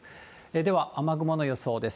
では雨雲の予想です。